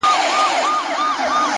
زغم شخصیت ته ژوروالی ورکوي!